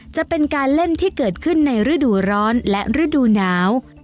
จะเป็นการเล่นที่เกิดขึ้นในฤดูร้อนและฤดูหนาว